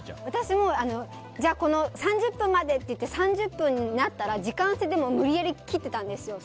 私も３０分までって言って３０分になったら時間制で無理やり切ってたんです。